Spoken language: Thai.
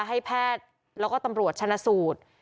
ให้แพทย์แล้วก็ตำรวจชนะสูตร